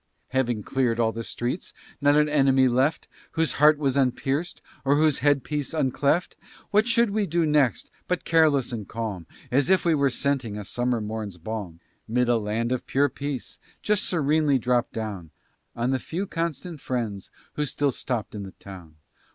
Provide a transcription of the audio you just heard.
Having cleared all the streets, not an enemy left Whose heart was unpierced, or whose headpiece uncleft, What should we do next, but as careless and calm As if we were scenting a summer morn's balm 'Mid a land of pure peace just serenely drop down On the few constant friends who still stopped in the town.